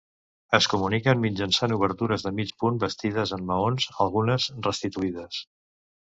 Es comuniquen mitjançant obertures de mig punt bastides en maons, algunes restituïdes.